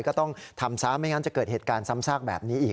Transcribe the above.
ก็ต้องทำซะไม่งั้นจะเกิดเหตุการณ์ซ้ำซากแบบนี้อีก